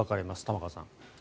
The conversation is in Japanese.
玉川さん。